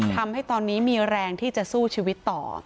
ทำให้ตอนนี้มีแรงที่จะสู้ชีวิตต่อ